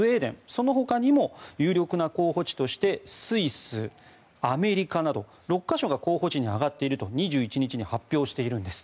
そのほかにも有力な候補地としてスイス、アメリカなど６か所が候補地に挙がっていると２１日に発表しているんです。